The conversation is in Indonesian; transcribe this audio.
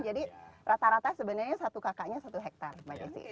jadi rata rata sebenarnya satu kkm nya satu hektare mbak giti